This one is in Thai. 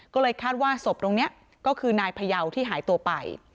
ก็เลยคาดว่าศพตรงนี้ก็คือนายพยาวที่หายตัวไป